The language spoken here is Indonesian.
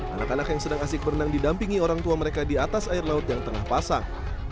anak anak yang sedang asik berenang didampingi orang tua mereka di atas air laut yang tengah pasang